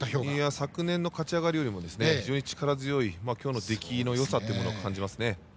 昨年の勝ち上がりよりも非常に力強く今日の出来のよさを感じますね。